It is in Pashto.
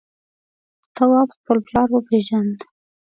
تواب خپل پلار وپېژند.